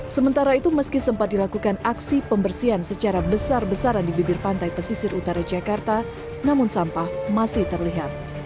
sementara itu meski sempat dilakukan aksi pembersihan secara besar besaran di bibir pantai pesisir utara jakarta namun sampah masih terlihat